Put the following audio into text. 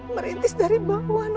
merintis dari bawah